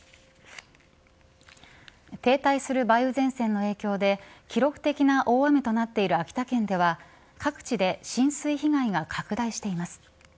停滞する梅雨前線の影響で記録的な大雨となっている秋田県では各地で浸水被害が拡大しています。